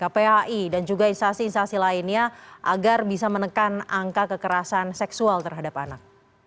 kpai dan juga instasi instasi lainnya agar bisa menekan angka kekerasan seksual terhadap anak